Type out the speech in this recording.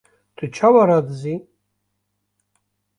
Tu çawa radizî?!